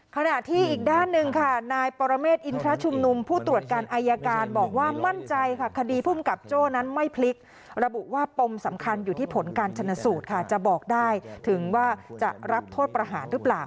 ขณะที่อีกด้านหนึ่งค่ะนายปรเมฆอินทรชุมนุมผู้ตรวจการอายการบอกว่ามั่นใจค่ะคดีภูมิกับโจ้นั้นไม่พลิกระบุว่าปมสำคัญอยู่ที่ผลการชนสูตรค่ะจะบอกได้ถึงว่าจะรับโทษประหารหรือเปล่า